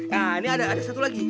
nah ini ada satu lagi